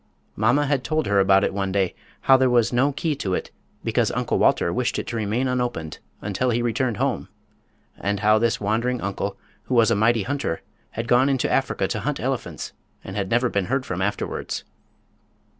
Mamma had told her about it one day; how there was no key to it, because Uncle Walter wished it to remain unopened until he returned home; and how this wandering uncle, who was a mighty hunter, had gone into Africa to hunt elephants and had never been heard from afterwards.